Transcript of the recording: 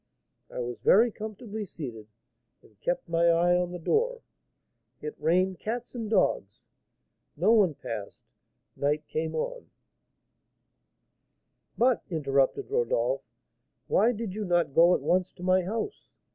I was very comfortably seated, and kept my eye on the door. It rained cats and dogs; no one passed; night came on " "But," interrupted Rodolph, "why did you not go at once to my house?"